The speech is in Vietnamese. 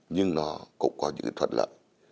nhưng nó cũng có những cái thuận lợi